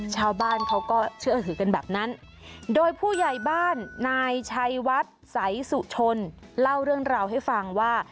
ชาวบ้านเขาก็เชื่อถือกันแบบนั้นโดยผู้ใหญ่บ้านนายชัยวัดสายสุชนเล่าเรื่องราวให้ฟังว่า